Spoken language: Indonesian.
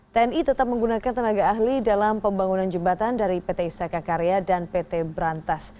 tni tetap menggunakan tenaga ahli dalam pembangunan jembatan dari pt istaka karya dan pt berantas